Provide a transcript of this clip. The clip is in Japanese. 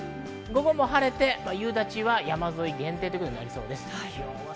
午後も晴れて夕立は山沿い限定ということになりそうです。